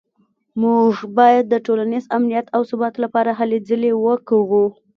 موږ باید د ټولنیز امنیت او ثبات لپاره هلې ځلې وکړو